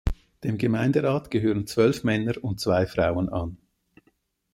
Dem Gemeinderat gehören zwölf Männer und zwei Frauen an.